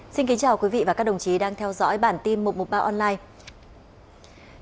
xin kính chào quý vị và các đồng chí đang theo dõi bản tin một trăm một mươi ba online